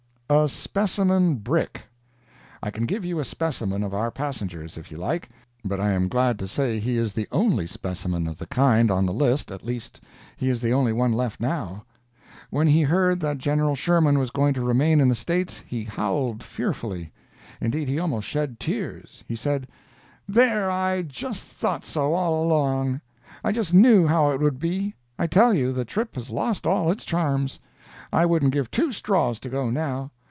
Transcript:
A SPECIMEN BRICK I can give you a specimen of our passengers, if you like, but I am glad to say he is the only specimen of the kind on the list at least he is the only one left now. When he heard that General Sherman was going to remain in the States, he howled fearfully. Indeed, he almost shed tears. He said: "There, I just thought so, all along. I just knew how it would be. I tell you the trip has lost all its charms! I wouldn't give two straws to go now.